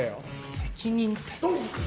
責任って。